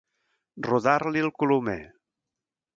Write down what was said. Rodar-li el colomer.